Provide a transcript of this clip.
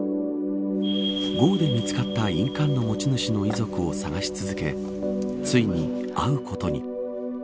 壕で見つかった印鑑の持ち主の遺族を捜し続けついに会うことに。